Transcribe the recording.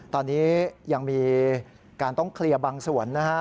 ตอนนี้ยังมีการต้องเคลียร์บางส่วนนะฮะ